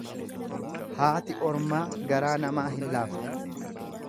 Haati ormaa garaa namaa hin laaftu.